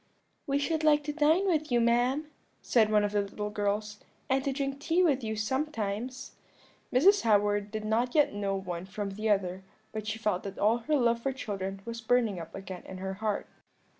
"'We should like to dine with you, ma'am,' said one of the little girls, 'and to drink tea with you sometimes.' "Mrs. Howard did not yet know one from the other, but she felt that all her old love for children was burning up again in her heart.